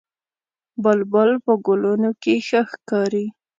بلبل په ګلونو کې ښه ښکاري